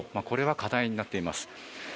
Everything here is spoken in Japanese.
これが課題になっています。